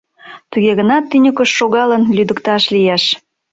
Туге гынат тӱньыкыш шогалын лӱдыкташ лиеш.